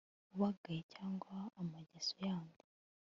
ubagaye cyangwa amageso yandi